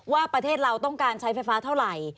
ว่าประเทศเราต้องการใช้ไฟฟ้าเท่าไหร่